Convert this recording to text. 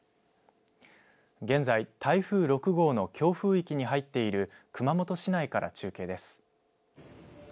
現在、台風６号の強風域に入っている熊本市内から中継です。